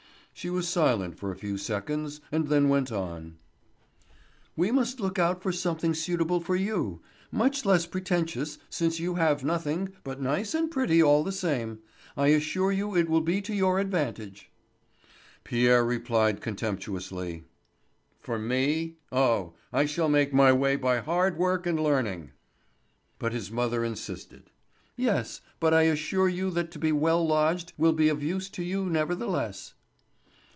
She was silent for a few seconds and then went on: "We must look out for something suitable for you; much less pretentious, since you have nothing, but nice and pretty all the same. I assure you it will be to your advantage." Pierre replied contemptuously: "For me! Oh, I shall make my way by hard work and learning." But his mother insisted: "Yes, but I assure you that to be well lodged will be of use to you nevertheless."